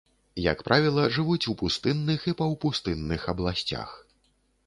Як правіла, жывуць у пустынных і паўпустынных абласцях.